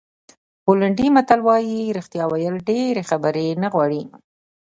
پولنډي متل وایي رښتیا ویل ډېرې خبرې نه غواړي.